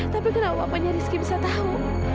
tapi kenapa bapaknya rizky bisa tahu